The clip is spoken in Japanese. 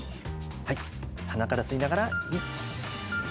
はい鼻から吸いながら。